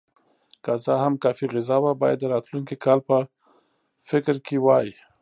که څه هم کافي غذا وه، باید د راتلونکي کال په فکر کې وای.